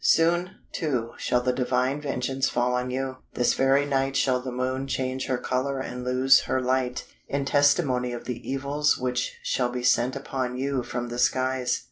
Soon, too, shall the divine vengeance fall on you; this very night shall the Moon change her colour and lose her light, in testimony of the evils which shall be sent upon you from the skies.